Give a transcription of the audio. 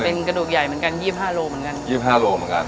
เป็นกระดูกใหญ่เหมือนกันยี่ห้าโลเหมือนกัน๒๕โลเหมือนกัน